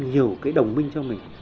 nhiều cái đồng minh cho mình